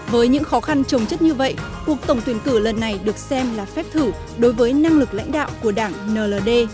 với những khó khăn trồng chất như vậy cuộc tổng tuyển cử lần này được xem là phép thử đối với năng lực lãnh đạo của đảng nld